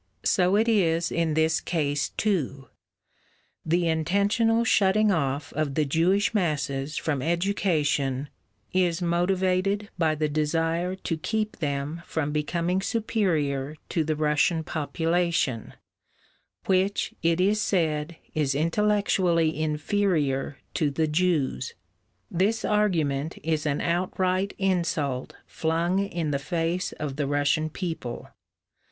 So it is in this case, too: the intentional shutting off of the Jewish masses from education is motivated by the desire to keep them from becoming superior to the Russian population, which, it is said, is intellectually inferior to the Jews. This argument is an outright insult flung in the face of the Russian people.